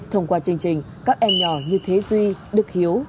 thông qua chương trình các em nhỏ như thế duy được hiểu được